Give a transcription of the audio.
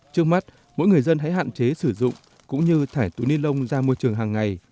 trước mắt mỗi người dân hãy hạn chế sử dụng cũng như thải túi ni lông ra môi trường hàng ngày